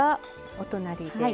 お隣です。